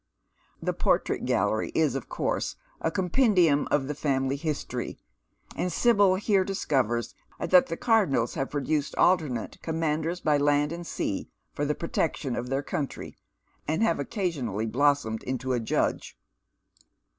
The portrait gallery is, of course, a compendium of the family history, and Sibyl here discovers that the Cardonnels have produced alternate commanders by land and sea, for the protection of their country, and have occasionally blossomed into a judge.